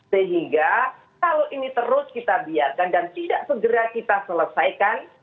sehingga kalau ini terus kita biarkan dan tidak segera kita selesaikan